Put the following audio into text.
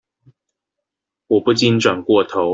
我不禁轉過頭